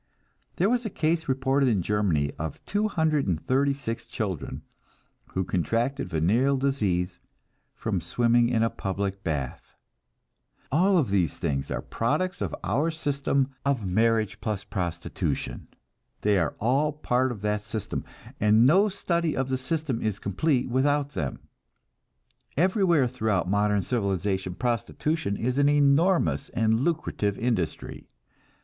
There was a case reported in Germany of 236 children who contracted venereal disease from swimming in a public bath. All these things are products of our system of marriage plus prostitution. They are all part of that system, and no study of the system is complete without them. Everywhere throughout modern civilization prostitution is an enormous and lucrative industry.